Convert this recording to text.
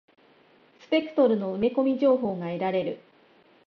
スペクトルの埋め込み情報が得られる。